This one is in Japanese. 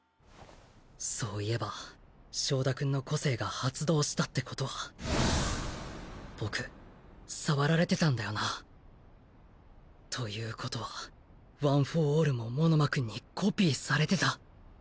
そういえば庄田くんの個性が発動したってことは僕触られてたんだよな。ということはワン・フォー・オールも物間くんにコピーされてた？